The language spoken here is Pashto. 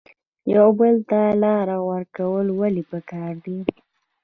یو بل ته لار ورکول ولې پکار دي؟